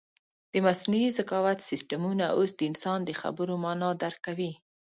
د مصنوعي ذکاوت سیسټمونه اوس د انسان د خبرو مانا درک کوي.